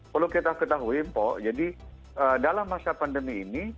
perlu kita ketahui mpok jadi dalam masa pandemi ini